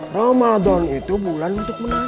ramadhan itu bulan untuk menang semua